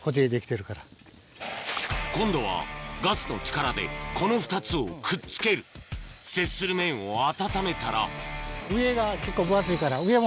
今度はガスの力でこの２つをくっつける接する面を温めたら上が結構分厚いから上も。